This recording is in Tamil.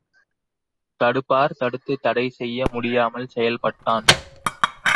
தடுப்பார் தடுத்துத் தடை செய்ய முடியாமல் செயல்பட்டான்.